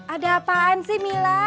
ada apaan sih mila